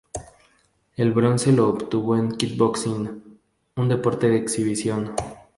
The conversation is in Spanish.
El bronce lo obtuvo en Kickboxing, un deporte de exhibición.